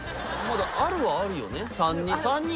あるはあるよね。